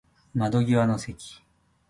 窓際の席